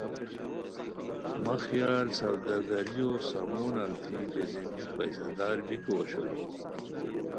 مہ خیال سوداگریو سامون التی بیزیمی پیسہ دار بیکو اوشوئے